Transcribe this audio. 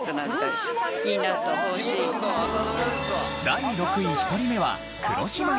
第６位１人目は。